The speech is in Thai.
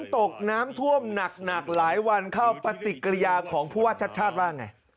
ตกน้ำท่วมหนักหลายวันเข้าปฏิกิริยาของผู้ว่าชัดชาติว่าไง